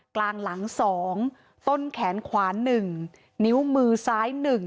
กลางหลัง๒ต้นแขนขวา๑นิ้วมือซ้าย๑